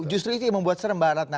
justru itu yang membuat serem mbak ratna